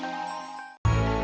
ya enggak sih